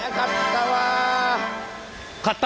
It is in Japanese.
勝った！